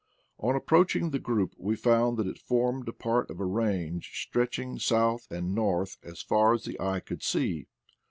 On approaching the group we found that it formed part of a range stretching south and north as far as the eye could see.